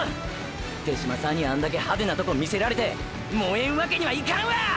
手嶋さんにあんだけ“派手”なトコみせられて燃えんわけにはいかんわ！！